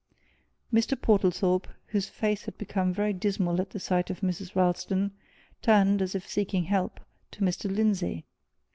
Mr. Portlethorpe, whose face had become very dismal at the sight of Mrs. Ralston, turned, as if seeking help, to Mr. Lindsey.